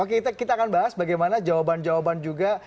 oke kita akan bahas bagaimana jawaban jawaban juga